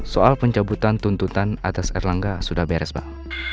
soal pencabutan tuntutan atas erlangga sudah beres bang